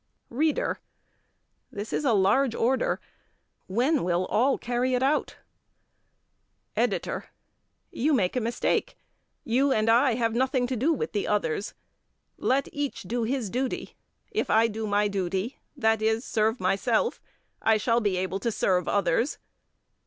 READER: This is a large order. When will all carry it out? EDITOR: You make a mistake. You and I have nothing to do with the others. Let each do his duty. If I do my duty, that is, serve myself, I shall be able to serve others.